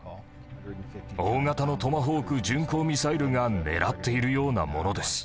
大型のトマホーク巡航ミサイルが狙っているようなものです。